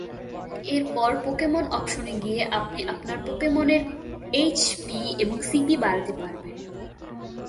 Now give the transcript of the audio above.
এরপর পোকেমন অপশনে গিয়ে আপনি আপনার পোকেমনের এইচপি এবং সিপি বাড়াতে পারবেন।